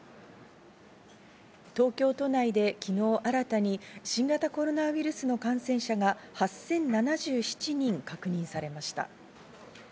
東京都内で昨日、新たに新型コロナウイルスの感染者が８０７７人確認されました。